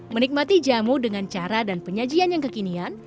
menikmati jamu dengan cara dan penyajian yang kekinian